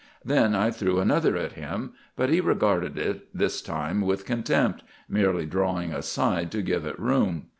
Then I threw another at him; but he regarded it this time with contempt, merely drawing aside to give it room.